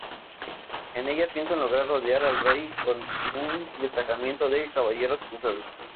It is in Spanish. En ella, piensan lograr rodear al rey con un destacamento de caballeros cruzados.